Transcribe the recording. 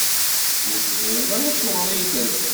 Ur teẓrid ara Acuɣer ay terfa?